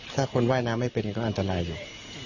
ถ้าคนว่ายน้ำไม่เป็นก็อันตรายอยู่